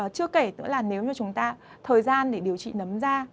chưa kể nữa là nếu như chúng ta thời gian để điều trị nấm ra